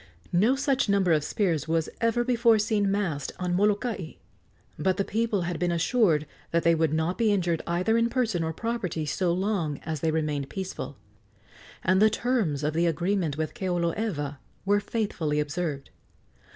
No such number of spears was ever before seen massed on Molokai; but the people had been assured that they would not be injured either in person or property so long as they remained peaceful, and the terms of the agreement with Keoloewa were faithfully observed.